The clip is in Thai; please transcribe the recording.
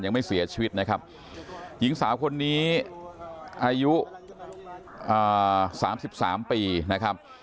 ยังไม่เสียชีวิตนะครับหญิงสาวคนนี้อายุ๓๓ปีนะครับ